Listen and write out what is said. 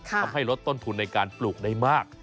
ทำให้ลดต้นทุนในการปลูกได้มาก